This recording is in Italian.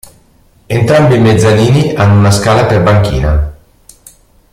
Entrambi i mezzanini hanno una scala per banchina.